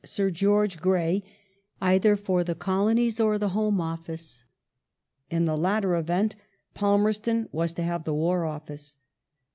1855] PARLIAMENTARY REFORM George Grey, either for the Colonies or the Home Office. In the latter event l*almerston was to have the War Office.